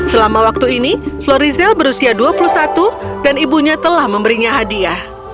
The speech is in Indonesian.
selama waktu ini florizel berusia dua puluh satu dan ibunya telah memberinya hadiah